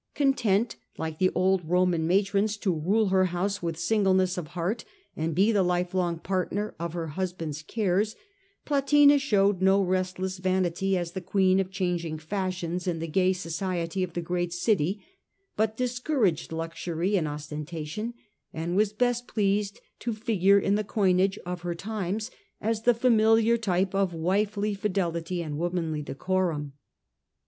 Content like the old Roman matrons to rule her house with singleness of heart and be the life long partner of her husband's cares, Plotina showed no restless vanity as the queen of changing fashions in the gay society of the great city, but discouraged luxury and ostentation, and was best pleased to figure in the coinage of her Large out times as the familiar type of wifely fidelity ^ibUc womanly decorum.